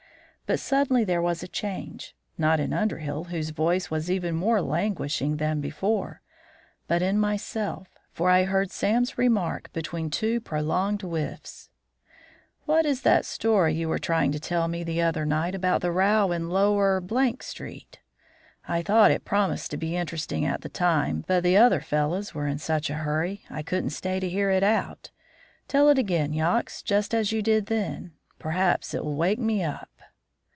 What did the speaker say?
But suddenly there was a change, not in Underhill, whose voice was even more languishing than before, but in myself; for I heard Sam remark between two prolonged whiffs: "What is that story you were trying to tell me the other night about the row in lower Street? I thought it promised to be interesting at the time, but the other fellows were in such a hurry I couldn't stay to hear it out. Tell it again, Yox, just as you did then; perhaps it will wake me up."